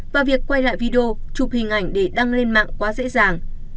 và việc quay lại video chụp hình ảnh để đăng lên mạng quá dễ dàng